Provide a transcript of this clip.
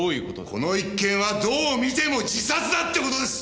この一件はどう見ても自殺だって事です。